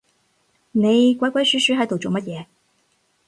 你鬼鬼鼠鼠係度做乜嘢